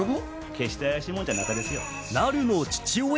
決して怪しいもんじゃなかですよ。